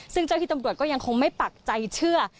ซึ่งเจ้าที่ตำรวจก็ยังคงไม่ปักใจเชื่อ